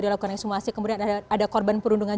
dilakukan ekshumasi kemudian ada korban perundungan